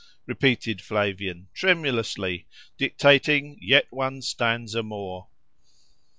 —repeated Flavian, tremulously, dictating yet one stanza more.